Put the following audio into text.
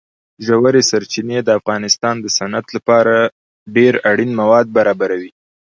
ژورې سرچینې د افغانستان د صنعت لپاره ډېر اړین مواد برابروي.